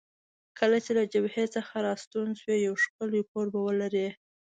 کله چې له جبهې څخه راستون شوې، یو ښکلی کور به ولرې.